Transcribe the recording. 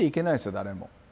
誰も。